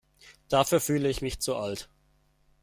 Dafür fühle ich mich zu alt.